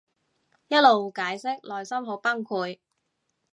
一路解釋內心好崩潰